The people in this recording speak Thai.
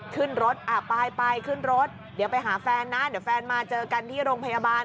ขึ้นรถไปไปขึ้นรถเดี๋ยวไปหาแฟนนะเดี๋ยวแฟนมาเจอกันที่โรงพยาบาล